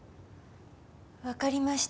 わかりました。